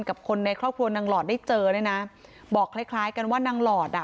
กับคนในครอบครัวนางหลอดได้เจอเนี่ยนะบอกคล้ายคล้ายกันว่านางหลอดอ่ะ